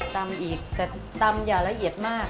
ตำอีกแต่ตำอย่าละเอียดมาก